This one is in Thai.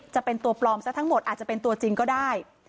จะเป็นตัวปลอมซะทั้งหมดอาจจะเป็นตัวจริงก็ได้